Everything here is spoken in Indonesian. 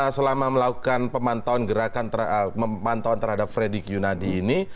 selama melakukan pemantauan gerakan pemantauan terhadap fredrik yunadi ini